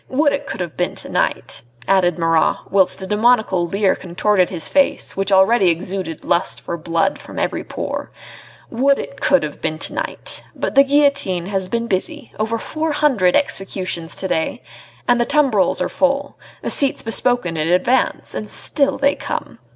Would it could have been to night," added Marat, whilst a demoniacal leer contorted his face which already exuded lust for blood from every pore. "Would it could have been to night. But the guillotine has been busy; over four hundred executions to day ... and the tumbrils are full the seats bespoken in advance and still they come....